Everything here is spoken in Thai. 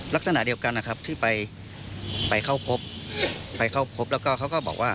ลักษณะเดียวกันนะครับที่ไปไปเข้าพบไปเข้าพบแล้วก็เขาก็บอกว่า